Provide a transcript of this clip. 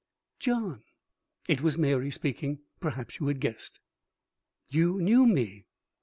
"John!" It was Mary speaking. Perhaps you had guessed. "You knew me?"